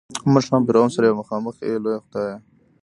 مونږ هم فرعون سره یو مخامخ ای لویه خدایه.